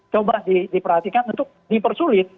coba diperhatikan untuk dipersulit